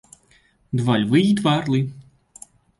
Два львы і два арлы.